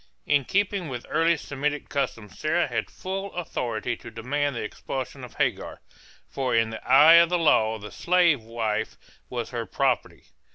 In keeping with early Semitic customs Sarah had full authority to demand the expulsion of Hagar, for in the eye of the law the slave wife was her property.